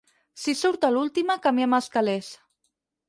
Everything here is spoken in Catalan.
Si surt a l'última, canviem els calés.